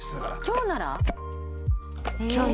「今日なら」